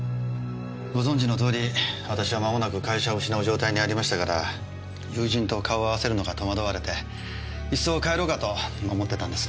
ご存じのとおり私は間もなく会社を失う状態にありましたから友人と顔を合わせるのが戸惑われていっそ帰ろうかと思ってたんです。